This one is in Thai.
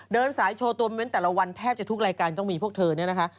เดินสายโชว์ตัวเมนต์แต่ละวันแทบจะทุกรายการต้องมีพวกเธอเนี่ยนะคะ